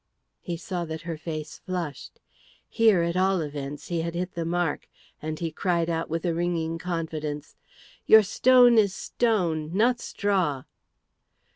He saw that her face flushed. Here, at all events, he had hit the mark, and he cried out with a ringing confidence, "Your stone is stone, not straw."